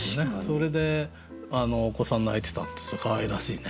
それでお子さん泣いてたってかわいらしいね。